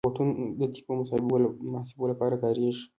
روبوټونه د دقیقو محاسبو لپاره کارېږي.